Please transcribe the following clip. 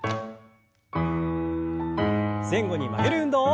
前後に曲げる運動。